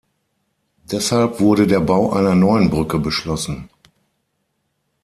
Deshalb wurde der Bau einer neuen Brücke beschlossen.